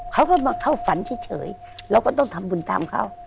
เขาก็มาเข้าฝันเฉยเราก็ต้องทำบุญทำเขา